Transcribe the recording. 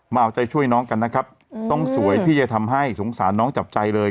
มาเอาใจช่วยน้องกันนะครับต้องสวยที่จะทำให้สงสารน้องจับใจเลย